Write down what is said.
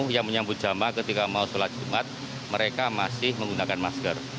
yang menyambut jamaah ketika mau sholat jumat mereka masih menggunakan masker